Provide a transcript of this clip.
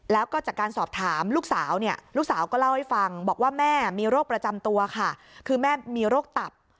แล้วก็จากการสอบถามลูกสาวเนี่ยลูกสาวก็เล่าให้ฟังบอกว่าแม่มีโรคประจำตัวค่ะคือแม่มีโรคตับ